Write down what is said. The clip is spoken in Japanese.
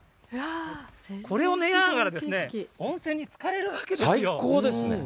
これを見ながら温泉につかれるわけですよ。